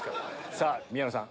さぁ宮野さん